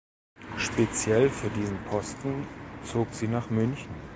Speziell für diesen Posten zog sie nach München.